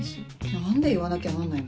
何で言わなきゃなんないの？